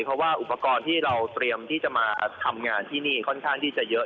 เพราะว่าอุปกรณ์ที่เราเตรียมที่จะมาทำงานที่นี่ค่อนข้างที่จะเยอะ